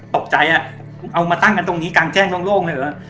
ก็ตกใจอ่ะเอามาตั้งกันตรงนี้กางแจ้งตรงโลกเลยอ่ะ